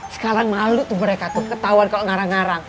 sekarang malu tuh mereka tuh ketauan kalo ngarang ngarang